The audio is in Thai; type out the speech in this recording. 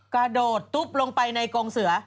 กระโดดตุ๊บลงไปในกงเสือ